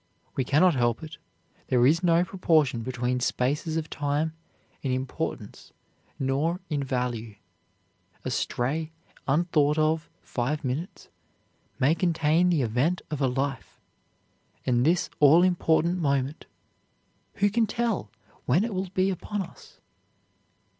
We cannot help it. There is no proportion between spaces of time in importance nor in value. A stray, unthought of five minutes may contain the event of a life. And this all important moment who can tell when it will be upon us?"